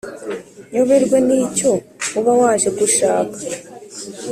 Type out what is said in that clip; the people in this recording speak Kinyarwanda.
nyoberwe n’icyo uba waje gushaka